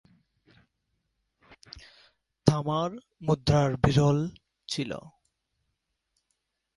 তামার মুদ্রা বিরল ছিল।